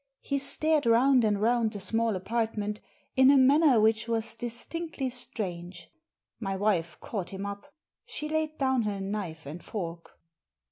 He stared round and round the small apartment in a manner which was distinctly strange. My wife caught him up. She laid down her knife and fork.